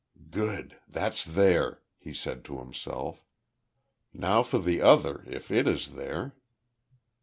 "Good! That's there," he said to himself. "Now for the other, if it is there?"